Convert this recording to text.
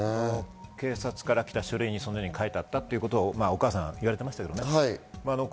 警察から来た書類にそのように書いてあったということをお母さんが言われていました。